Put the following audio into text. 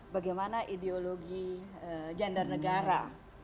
bagaimana ideologi gender negara